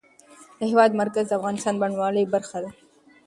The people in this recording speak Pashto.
د هېواد مرکز د افغانستان د بڼوالۍ برخه ده.